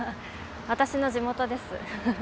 私の地元です。